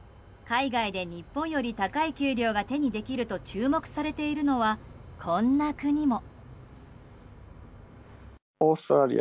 海外で日本より高い給料が手にできると注目されているのはこんな国も。